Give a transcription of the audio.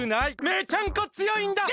めちゃんこ強いんだ！